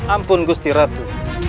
ampun gusti ratu